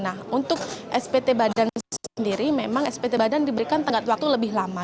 nah untuk spt badan sendiri memang spt badan diberikan tenggat waktu lebih lama